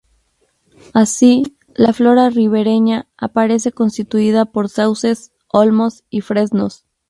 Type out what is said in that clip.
Así, la flora ribereña aparece constituida por sauces, olmos y fresnos.